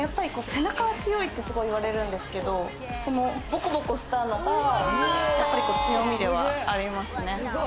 背中は強いってすごい言われるんですけど、ボコボコしたのが強みではありますね。